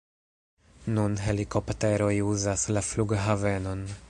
Nun helikopteroj uzas la flughavenon.